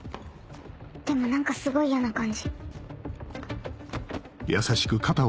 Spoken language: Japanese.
でも何かすごい嫌な感じ。